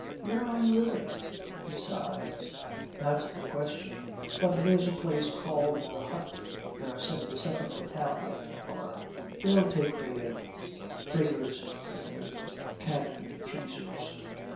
'Where are you living?' He sighs. 'That's the question. But there's a place called The Hut, where some of the 2nd Battalion are. They'll take me in. Beggars,' bitterly, 'can't be choosers.'